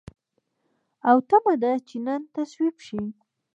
او تمه ده چې نن تصویب شي.